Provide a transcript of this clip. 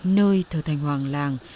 nơi thờ thành hoàng làng